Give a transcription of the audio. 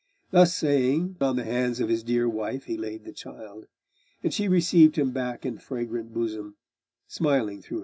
Thus saying, on the hands of his dear wife He laid the child; and she received him back In fragrant bosom, smiling through her tears.